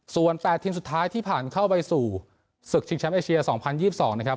ส่วนแปดทีมสุดท้ายที่ผ่านเข้าไปสู่ศึกชิงแชมป์เอเชียสองพันยี่สิบสองนะครับ